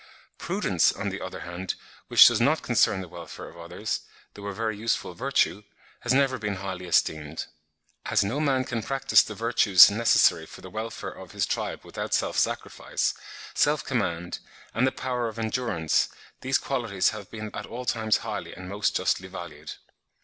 Prudence, on the other hand, which does not concern the welfare of others, though a very useful virtue, has never been highly esteemed. As no man can practise the virtues necessary for the welfare of his tribe without self sacrifice, self command, and the power of endurance, these qualities have been at all times highly and most justly valued.